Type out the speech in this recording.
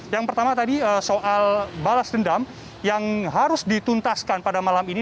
yang pertama tadi soal balas dendam yang harus dituntaskan pada malam ini